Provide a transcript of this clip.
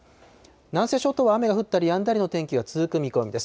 南西諸島は雨が降ったりやんだりの天気が続く見込みです。